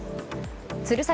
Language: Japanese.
鶴崎